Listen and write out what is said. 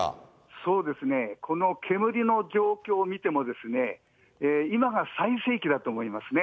そうですね、この煙の状況を見ても、今が最盛期だと思いますね。